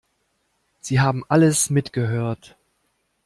Sie haben alles mitgehört.